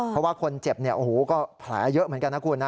เพราะว่าคนเจ็บเนี่ยโอ้โหก็แผลเยอะเหมือนกันนะคุณนะ